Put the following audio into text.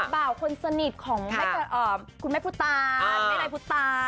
บ่าวคนสนิทของคุณแม่พุตานแม่นายพุทธา